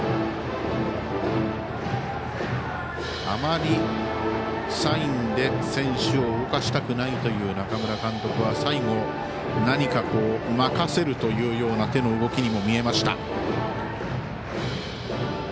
あまりサインで選手を動かしたくないという中村監督はサインを何か任せるというような手の動きにも見えました。